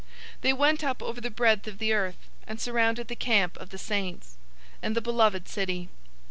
020:009 They went up over the breadth of the earth, and surrounded the camp of the saints, and the beloved city.